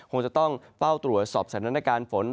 คงจะต้องเฝ้าตรวจสอบสถานการณ์ฝน